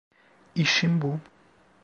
İşim bu.